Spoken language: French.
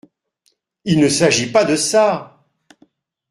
Il ne s’agit pas de ça !…